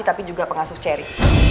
tapi juga pengasuh cherry